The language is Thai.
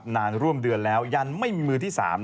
นานร่วมเดือนแล้วยันไม่มีมือที่๓